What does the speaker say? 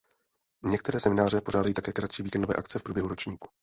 Některé semináře pořádají také kratší víkendové akce v průběhu ročníku.